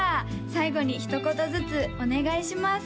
最後にひと言ずつお願いします